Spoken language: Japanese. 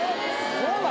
そうなの？